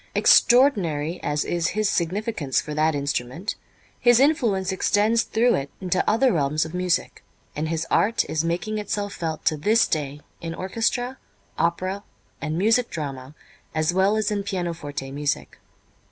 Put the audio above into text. Extraordinary as is his significance for that instrument, his influence extends through it into other realms of music, and his art is making itself felt to this day in orchestra, opera and music drama as well as in pianoforte music.